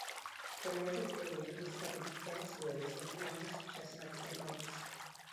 The north of Italy was covered with dense woods of elms, chestnuts, and oaks.